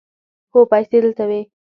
هو، پیسې دلته وې